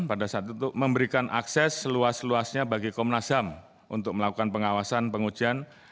pada saat itu memberikan akses seluas luasnya bagi komnas ham untuk melakukan pengawasan pengujian